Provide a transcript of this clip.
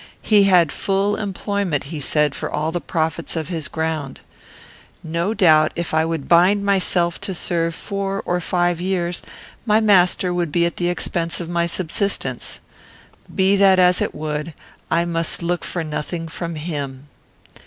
He had full employment, he said, for all the profits of his ground. No doubt, if I would bind myself to serve four or five years, my master would be at the expense of my subsistence. Be that as it would, I must look for nothing from him.